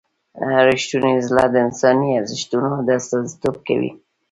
رښتونی زړه د انساني ارزښتونو استازیتوب کوي.